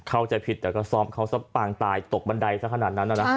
เข้าใจผิดแต่ก็ซ้อมเขาซะปางตายตกบันไดสักขนาดนั้นนะ